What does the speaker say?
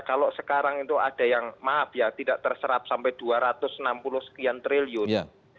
kalau sekarang itu ada yang maaf ya tidak terserap sampai dua ratus enam puluh sekian triliun